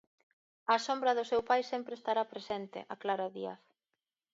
A sombra do seu pai sempre está presente, aclara Díaz.